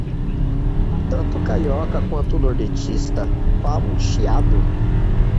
Tanto o carioca quanto o nortista falam "chiado"